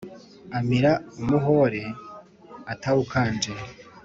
Amira umuhore atawukanje: